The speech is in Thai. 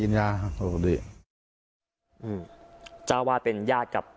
พระเจ้าอาวาสกันหน่อยนะครับ